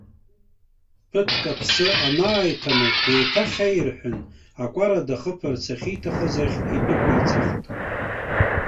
Ԥыҭк аԥсы анааиҭанак, еиҭахьаирҳәын, акәара дахыԥарц ахьиҭахыз ахь идәықәиҵахт.